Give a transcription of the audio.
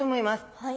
はい。